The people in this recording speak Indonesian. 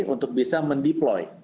untuk bisa mendeploy